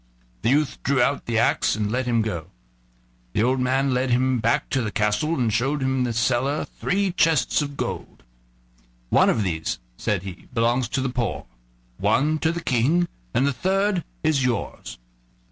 The youth drew out the axe and let him go. The old man led him back to the castle and showed him in a cellar three chests of gold. "One of these," said he, "belongs to the poor, one to the King, and the third is yours."